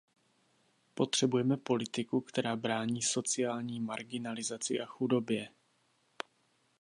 Potřebujeme politiku, která brání sociální marginalizaci a chudobě.